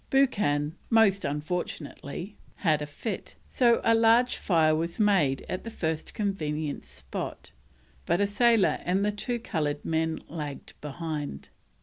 Buchan, most unfortunately, had a fit, so a large fire was made at the first convenient spot, but a sailor and the two coloured men lagged behind.